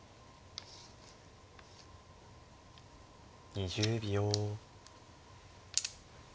２０秒。